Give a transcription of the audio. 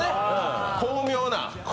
巧妙な。